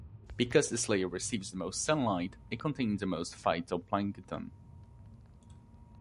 Because this layer receives the most sunlight it contains the most phytoplankton.